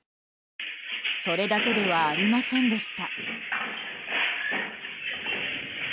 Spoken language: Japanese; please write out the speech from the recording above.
それだけではありませんでした。